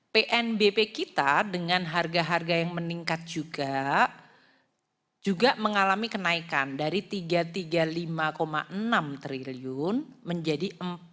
pnbp kita dengan harga harga yang meningkat juga juga mengalami kenaikan dari tiga ratus tiga puluh lima enam triliun menjadi empat ratus delapan puluh satu enam